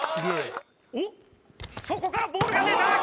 おっそこからボールが見えた。